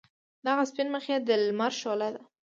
دغه سپین مخ یې د لمر شعله ده.